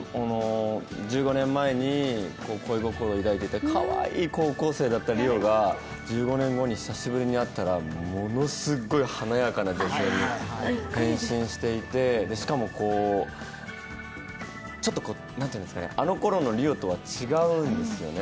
１５年前に恋心を抱いていたかわいい高校生だった梨央が１５年後に久しぶりに会ったらものすごい華やかな女性に変身していてしかもちょっとこう、あの頃の梨央とは違うんですよね。